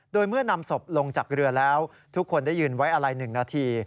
โดยเมื่อนำศพลงจากเรือแล้วทุกคนได้ยืนไว้อะไร๑นาที